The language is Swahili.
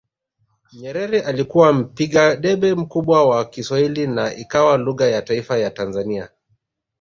Nyerere alikuwa mpiga debe mkubwa wa Kiswahili na ikawa lugha ya taifa ya Tanzania